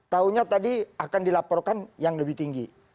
tahunya tadi akan dilaporkan yang lebih tinggi